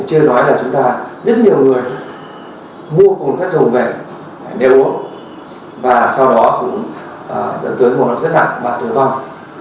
chưa nói là chúng ta rất nhiều người mua cồn sắt trùng về đeo uống và sau đó cũng được tướng ngộ độc rất nặng và tuyệt vọng